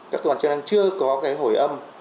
các toàn chức năng chưa có cái hồi âm